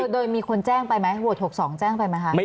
โดยมีคนแจ้งไปไหมโหวต๖๒แจ้งไปไหมคะ